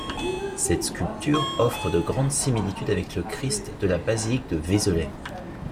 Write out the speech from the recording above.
Cette sculpture offre de grandes similitudes avec le Christ de la basilique de Vézelay.